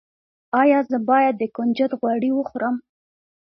ایا زه باید د کنجد غوړي وخورم؟